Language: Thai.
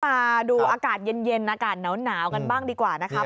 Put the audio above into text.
มาดูอากาศเย็นอากาศหนาวกันบ้างดีกว่านะครับ